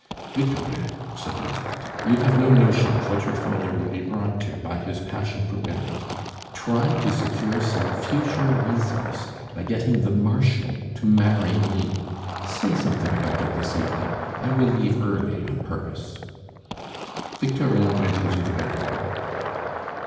"Victorin," said Lisbeth, "you have no notion of what your father will be brought to by his passion for women. Try to secure some future resource by getting the Marshal to marry me. Say something about it this evening; I will leave early on purpose." Victorin went into the bedroom.